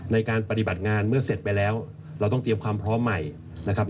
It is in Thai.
ในการปฏิบัติงานเมื่อเสร็จไปแล้วเราต้องเตรียมความพร้อมใหม่นะครับ